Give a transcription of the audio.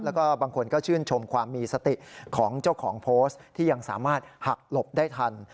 แล้วก็บางคนก็ชื่นชมความมีสติของเจ้าของโพสต์ที่ยังสามารถหักหลบได้ทัน